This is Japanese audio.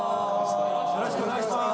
よろしくお願いします。